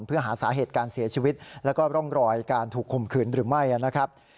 เพื่อหาสาเหตุการเสียชีวิตแล้วก็ร่องรอยการถูกข่มขืนหรือไม่นะครับ